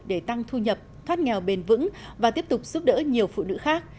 để tăng thu nhập thoát nghèo bền vững và tiếp tục giúp đỡ nhiều phụ nữ khác